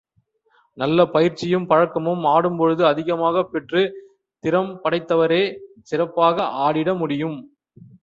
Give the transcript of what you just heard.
நல்ல பயிற்சியும், பழக்கமும், ஆடும்பொழுது அதிகமாகப் பெற்று திறம் படைத்தவரே சிறப்பாக ஆடிட முடியும்.